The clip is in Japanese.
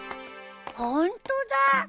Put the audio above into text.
ホントだ！